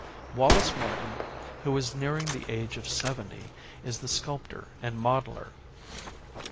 Wallace Martin, who is nearing the age of seventy, is the sculptor and modeller.